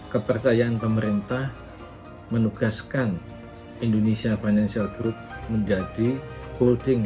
kepercayaan pemerintah menugaskan indonesia financial group menjadi holding